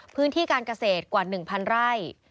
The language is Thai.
พื้นที่การเกษตรกว่า๑๐๐ไร่